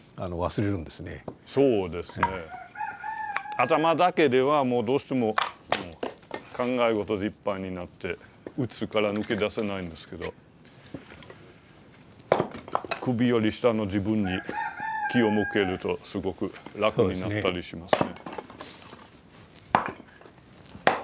頭だけではどうしても考え事でいっぱいになってうつから抜け出せないんですけど首より下の自分に気を向けるとすごく楽になったりしますね。